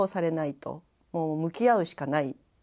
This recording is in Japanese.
もう向き合うしかない。